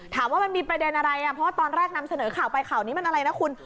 ถามว่ามันมีประเด็นอะไรเพราะว่าตอนแรกนำเสนอข่าวไปข่าวนี้มันอะไรนะคุณ